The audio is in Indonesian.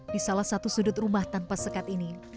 di salah satu sudut rumah tanpa sekat ini